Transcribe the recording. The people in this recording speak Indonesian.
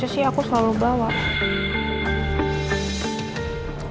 harusnya aku selalu bincang dengan kamu nih